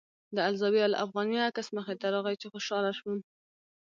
د الزاویة الافغانیه عکس مخې ته راغی چې خوشاله شوم.